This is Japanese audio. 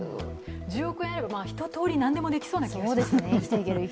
１０億円あれば一とおり何でもできそうな気がしますね。